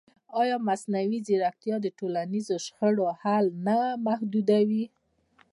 ایا مصنوعي ځیرکتیا د ټولنیزو شخړو حل نه محدودوي؟